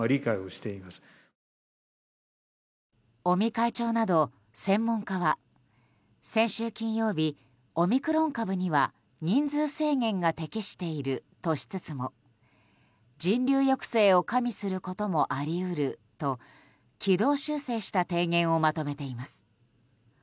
尾身会長など専門家は先週金曜日、オミクロン株には人数制限が適しているとしつつも人流抑制を加味することもあり得ると軌道修正した提言をまとめています。